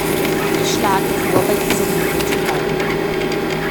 Ich schlage vor, bei dieser Linie zu bleiben.